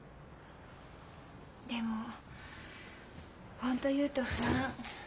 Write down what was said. でも本当言うと不安。